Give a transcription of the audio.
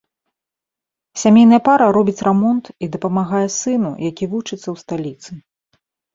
Сямейная пара робіць рамонт і дапамагае сыну, які вучыцца ў сталіцы.